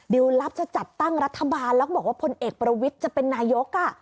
ลับจะจัดตั้งรัฐบาลแล้วก็บอกว่าพลเอกประวิทย์จะเป็นนายก